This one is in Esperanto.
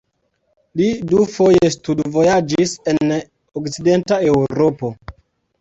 Li dufoje studvojaĝis en okcidenta Eŭropo.